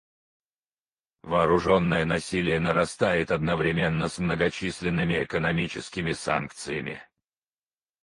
Вооруженное насилие нарастает одновременно с многочисленными экономическими санкциями.